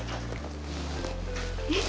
sampai rumah gak